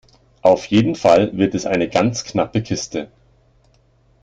Auf jeden Fall wird es eine ganz knappe Kiste.